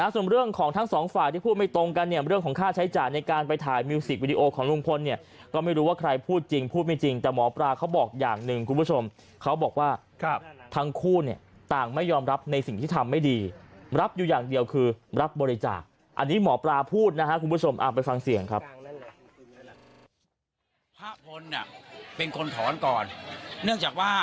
ส่วนเรื่องของทั้งสองฝ่ายที่พูดไม่ตรงกันเนี่ยเรื่องของค่าใช้จ่ายในการไปถ่ายมิวสิกวิดีโอของลุงพลเนี่ยก็ไม่รู้ว่าใครพูดจริงพูดไม่จริงแต่หมอปลาเขาบอกอย่างหนึ่งคุณผู้ชมเขาบอกว่าทั้งคู่เนี่ยต่างไม่ยอมรับในสิ่งที่ทำไม่ดีรับอยู่อย่างเดียวคือรับบริจาคอันนี้หมอปลาพูดนะครับคุณผู้ชมไปฟังเสียงครับ